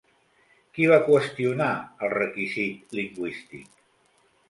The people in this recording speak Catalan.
Qui va qüestionar el requisit lingüístic?